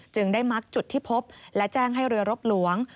ได้มักจุดที่พบและแจ้งให้เรือรบหลวง